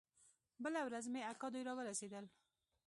بله ورځ مې اکا دوى راورسېدل.